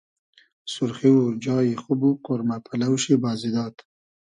سورخی و جای خوب و قۉرمۂ پئلۆ شی بازی داد